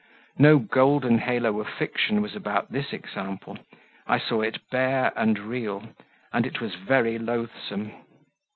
No golden halo of fiction was about this example, I saw it bare and real, and it was very loathsome.